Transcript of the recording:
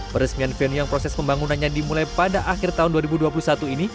peresmian venue yang proses pembangunannya dimulai pada akhir tahun dua ribu dua puluh satu ini